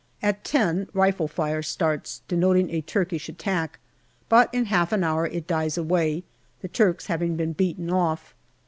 At ten, rifle fire starts, denoting a Turkish attack, but in half an hour it dies away, the Turks having been beaten off.